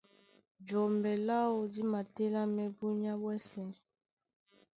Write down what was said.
Jɔmbɛ láō dí matélámɛ́ búnyá ɓwɛ́sɛ̄.